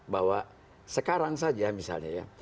bahwa sekarang saja misalnya ya